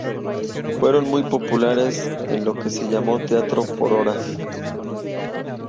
Fueron muy populares en lo que se llamó Teatro por horas.